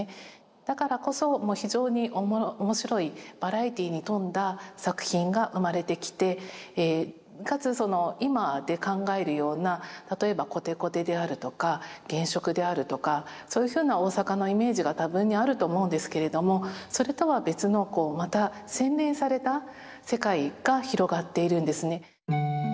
だからこそ非常に面白いバラエティーに富んだ作品が生まれてきてかつその今で考えるような例えばコテコテであるとか原色であるとかそういうふうな大阪のイメージが多分にあると思うんですけれどもそれとは別のまた洗練された世界が広がっているんですね。